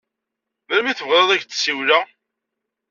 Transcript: Melmi i tebɣiḍ ad ak-d-siwleɣ?